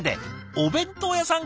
お弁当屋さん